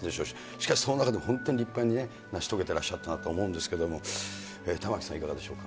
しかしその中で本当に立派に成し遂げてらっしゃったなと思いますけれども、玉城さん、いかがでしょうか。